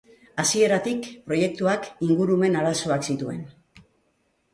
Hasieratik proiektuak ingurumen arazoak zituen.